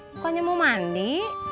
bukannya mau mandi